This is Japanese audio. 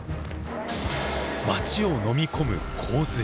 町をのみ込む洪水。